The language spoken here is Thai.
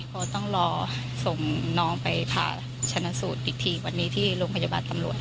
ก็ต้องรอส่งน้องไปผ่าชนะสูตรอีกทีวันนี้ที่โรงพยาบาลตำรวจ